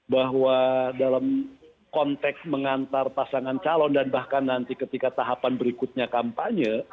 bahwa dalam konteks mengantar pasangan calon dan bahkan nanti ketika tahapan berikutnya kampanye